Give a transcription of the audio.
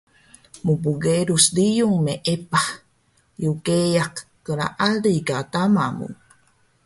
Mbqerus riyung meepah yqeyaq klaali ka tama mu